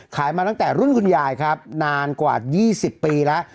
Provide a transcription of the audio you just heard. มาตั้งแต่รุ่นคุณยายครับนานกว่า๒๐ปีแล้ว